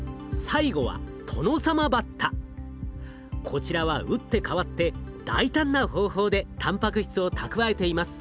こちらは打って変わって大胆な方法でたんぱく質を蓄えています。